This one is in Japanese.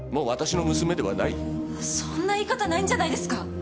そんな言い方ないんじゃないですか？